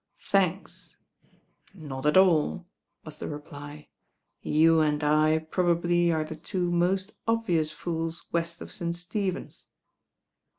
"Thanks 1" "Not at all," was the reply; "you and I probably are the two most obvious fools west of St. Stephen's."